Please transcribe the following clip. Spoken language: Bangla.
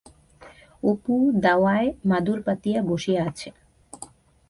অপু দাওয়ায় মাদুর পাতিয়া বসিয়া আছে।